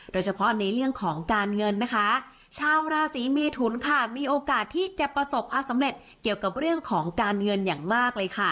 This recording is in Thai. โดยเฉพาะในเรื่องของการเงินนะคะชาวราศีเมทุนค่ะมีโอกาสที่จะประสบความสำเร็จเกี่ยวกับเรื่องของการเงินอย่างมากเลยค่ะ